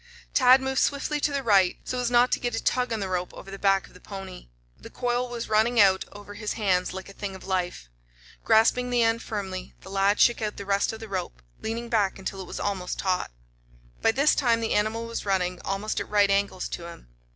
Tad moved swiftly to the right, so as not to get a tug on the rope over the back of the pony. The coil was running out over his hands like a thing of life. Grasping the end firmly, the lad shook out the rest of the rope, leaning back until it was almost taut. By this time the animal was running almost at right angles to him.